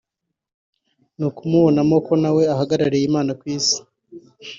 ni ukumubonamo ko na we ahagarariye Imana ku Isi”